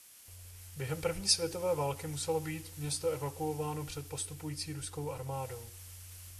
Během první světové války muselo být město evakuováno před postupující ruskou armádou.